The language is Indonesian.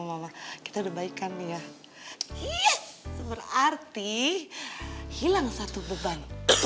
mah berarti hilang satu beban